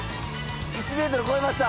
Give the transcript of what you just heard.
１ｍ超えました！